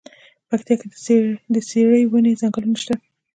پکتيا کی د څیړۍ ونی ځنګلونه شته دی.